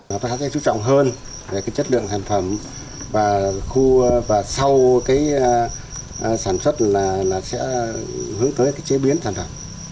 hợp tác xã sẽ trú trọng hơn về chất lượng sản phẩm và sau sản xuất sẽ hướng tới chế biến sản phẩm